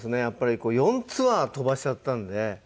やっぱり４ツアー飛ばしちゃったんで。